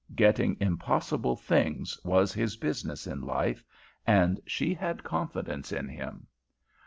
Getting impossible things was his business in life, and she had confidence in him.